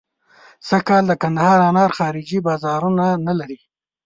سږکال د کندهار انار خارجي بازار نه لري.